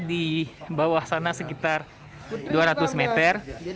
di bawah sana sekitar dua ratus meter